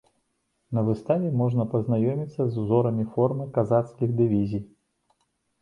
На выставе можна пазнаёміцца з узорамі формы казацкіх дывізій.